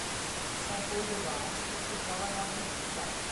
Saint-Paul-de-Vence si trova a nord di Nizza.